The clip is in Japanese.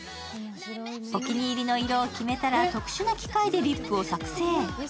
お気に入りの色を決めたら特殊な機械でリップを作成。